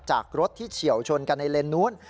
จากรถที่เฉียวชนกันในเลนส์นู้น